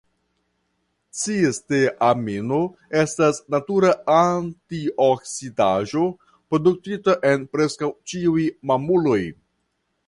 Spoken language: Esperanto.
Cisteamino estas natura antioksidigaĵo produktita en preskaŭ ĉiuj mamuloj.